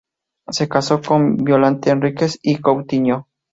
Se casó con Violante Henriques y Coutinho.